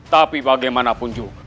tapi bagaimanapun juga